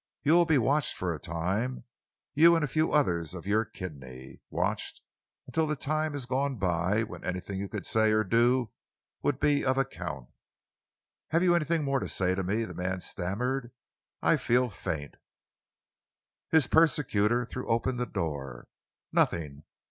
You will be watched for a time you and a few others of your kidney watched until the time has gone by when anything you could say or do would be of account." "Have you anything more to say to me?" the man stammered. "I feel faint." His persecutor threw open the door. "Nothing!